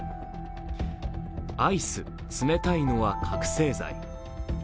アイス、冷たいのは覚醒剤。